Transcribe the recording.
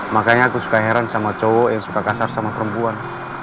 makanya aku suka heran sama cowok yang suka kasar sama perempuan